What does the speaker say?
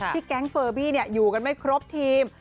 แก๊งเฟอร์บี้อยู่กันไม่ครบทีม